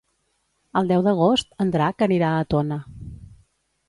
El deu d'agost en Drac anirà a Tona.